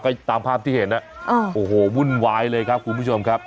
ก็ตามภาพที่เห็นโอ้โหวุ่นวายเลยครับคุณผู้ชมครับ